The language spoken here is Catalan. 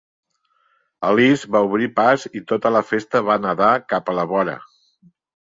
Alice va obrir pas i tota la festa va nedar cap a la vora.